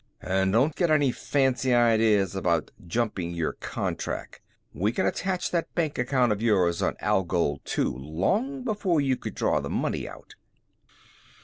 "And don't get any fancy ideas about jumping your contract. We can attach that bank account of yours on Algol II long before you could draw the money out."